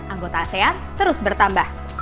anggota asean terus bertambah